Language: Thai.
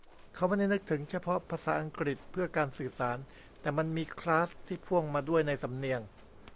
เขาไม่ได้นึกถึงเฉพาะภาษาอังกฤษเพื่อการสื่อสาร แต่มันมี "คลาส" ที่พ่วงมาด้วยในสำเนียง